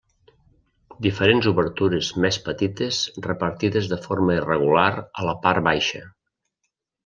Diferents obertures més petites repartides de forma irregular a la part baixa.